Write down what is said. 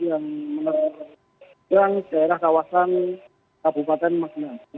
yang menerjang daerah kawasan kabupaten magelang